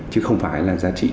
chứ không phải là giá trị